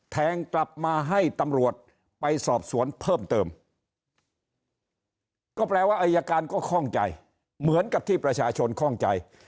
แทงกลับมาให้ตำรวจไปสอบสวนเพิ่มเติมก็แปลว่าอายการก็คล่องใจเหมือนกับที่ประชาชนคล่องใจ